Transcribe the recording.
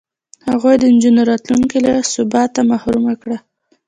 هغوی د نجونو راتلونکې له ثباته محرومه کړه.